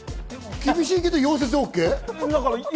厳しいけど溶接はＯＫ？